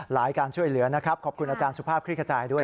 การช่วยเหลือนะครับขอบคุณอาจารย์สุภาพคลิกขจายด้วย